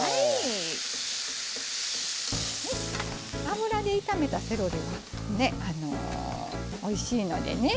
油で炒めたセロリはねおいしいのでね